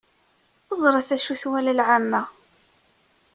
Ẓret acu twala lɛamma.